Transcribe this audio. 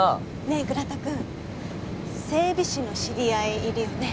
ねえ倉田くん整備士の知り合いいるよね？